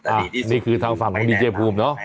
อันนี้คือทางฝั่งของดีเจภูมิเนอะ